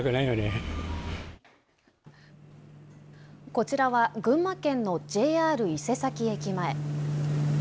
こちらは群馬県のＪＲ伊勢崎駅前。